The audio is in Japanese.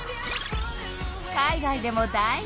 海外でも大人気！